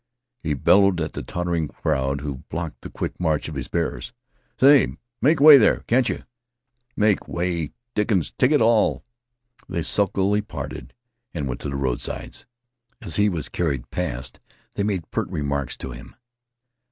He bellowed at the tottering crowd who blocked the quick march of his bearers. "Say, make way there, can't yeh? Make way, dickens take it all." They sulkily parted and went to the roadsides. As he was carried past they made pert remarks to him.